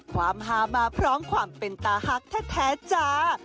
ความฮามาพร้อมความเป็นตาฮักแท้จ้า